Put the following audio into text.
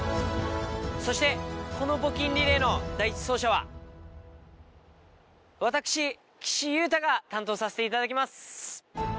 そしてこの募金リレーの第１走者は私岸優太が担当させていただきます。